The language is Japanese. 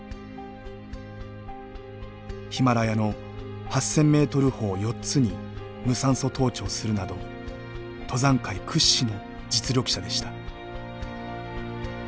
ヒマラヤの８，０００ｍ峰４つに無酸素登頂するなど登山界屈指の実力者でした。